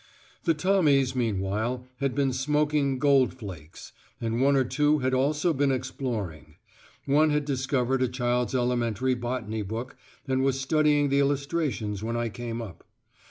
The Tommies meanwhile had been smoking Gold Flakes, and one or two had also been exploring; one had discovered a child's elementary botany book, and was studying the illustrations when I came up.